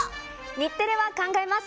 日テレは考えます。